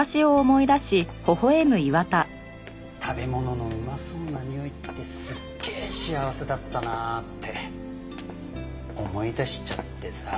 食べ物のうまそうなにおいってすっげえ幸せだったなって思い出しちゃってさ。